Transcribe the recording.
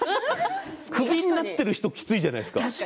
クビになっている人きついじゃないですか。